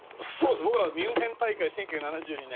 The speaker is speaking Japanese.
僕らミュンヘン大会１９７２年